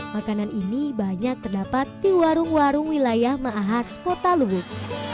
makanan ini banyak terdapat di warung warung wilayah mahas kota lubuk